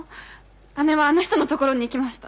姉はあの人のところに行きました。